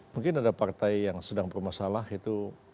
mungkin ada partai yang sedang bermasalah itu